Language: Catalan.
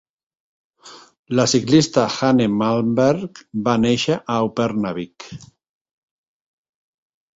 La ciclista Hanne Malmberg va néixer a Upernavik.